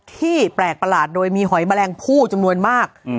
ที่แปลกประหลาดโดยมีหอยแมลงผู้จำนวนมาก